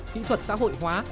kỹ thuật xã hội hóa